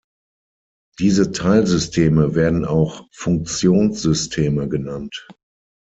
Diese Teilsysteme werden auch "Funktionssysteme" genannt.